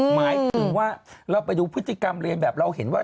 หมายถึงว่าเราไปดูพฤติกรรมเรียนแบบเราเห็นว่า